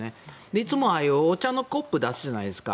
いつも、ああいうお茶のコップを出すじゃないですか。